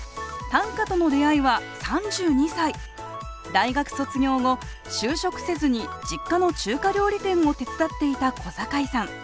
大学卒業後就職せずに実家の中華料理店を手伝っていた小坂井さん。